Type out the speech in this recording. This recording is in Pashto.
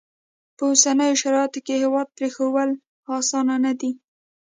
په اوسنیو شرایطو کې هیواد پرېښوول اسانه نه دي.